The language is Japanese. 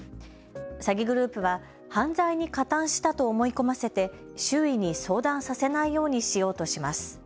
詐欺グループは犯罪に加担したと思い込ませて周囲に相談させないようにしようとします。